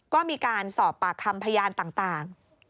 ก็มีการสอบปากคำพยานต่าง